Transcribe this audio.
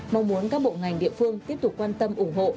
mong muốn các bộ ngành địa phương tiếp tục quan tâm ủng hộ